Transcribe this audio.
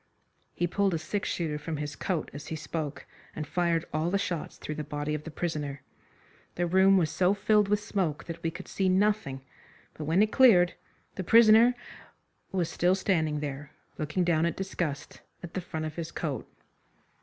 He pulled a six shooter from his coat as he spoke, and fired all the shots through the body of the prisoner. The room was so filled with smoke that we could see nothing, but when it cleared the prisoner was still standing there, looking down in disgust at the front of his coat.